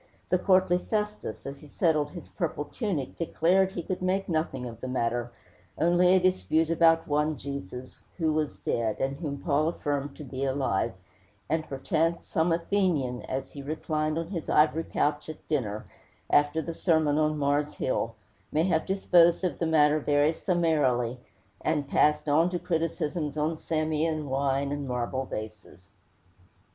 The courtly Festus, as he settled his purple tunic, declared he could make nothing of the matter, only a dispute about one Jesus, who was dead, and whom Paul affirmed to be alive; and perchance some Athenian, as he reclined on his ivory couch at dinner, after the sermon on Mars Hill, may have disposed of the matter very summarily, and passed on to criticisms on Samian wine and marble vases.